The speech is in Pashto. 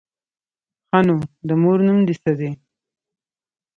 _ښه نو، د مور نوم دې څه دی؟